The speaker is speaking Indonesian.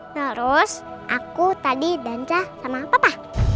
terus aku tadi dansa sama papa